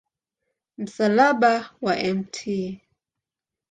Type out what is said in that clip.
Msalaba wa Mt.